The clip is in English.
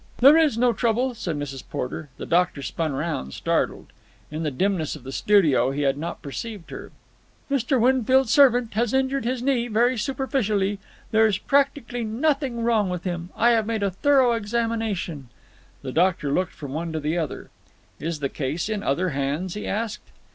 "There is no trouble," said Mrs. Porter. The doctor spun round, startled. In the dimness of the studio he had not perceived her. "Mr. Winfield's servant has injured his knee very superficially. There is practically nothing wrong with him. I have made a thorough examination." The doctor looked from one to the other. "Is the case in other hands?" he asked.